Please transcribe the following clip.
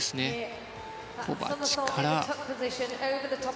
コバチから。